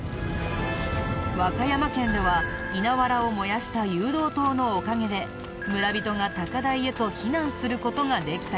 和歌山県では稲わらを燃やした誘導灯のおかげで村人が高台へと避難する事ができたよね。